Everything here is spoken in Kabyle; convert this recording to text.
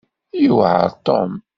Yuɛeṛ Tom.